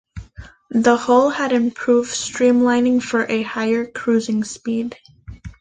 The hull had improved streamlining for a higher cruising speed.